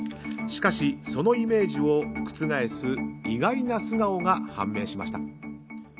しかし、そのイメージを覆す意外な素顔が判明しました。